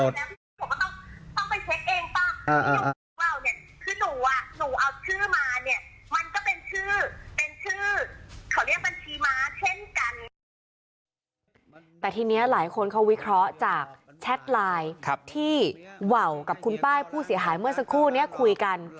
แต่ทีนี้หลายคนเขาวิเคราะห์จากแชทไลน์ที่ว่าวกับคุณป้ายผู้เสียหายเมื่อสักครู่นี้คุยกัน